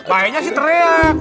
kayaknya sih tereak